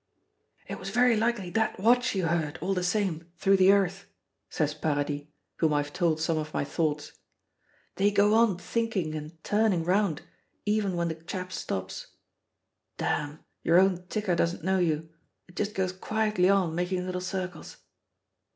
"It was very likely that watch you heard all the same, through the earth," says Paradis, whom I have told some of my thoughts; "they go on thinking and turning round even when the chap stops. Damn, your own ticker doesn't know you it just goes quietly on making little circles."